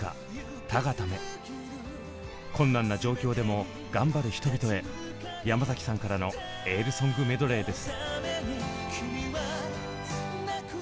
困難な状況でも頑張る人々へ山崎さんからのエールソングメドレーです。